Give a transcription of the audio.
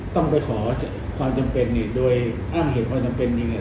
ต้องไปขอความจำเป็นอย่างอ้างเหตุความจำเป็นอย่างนี้